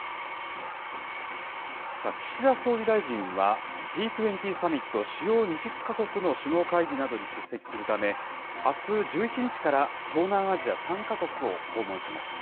岸田総理大臣は、Ｇ２０サミット・主要２０か国の首脳会議などに出席するため、あす１１日から東南アジア３か国を訪問します。